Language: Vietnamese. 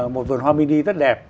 một vườn hoa mini rất đẹp